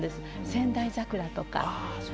仙台桜とか。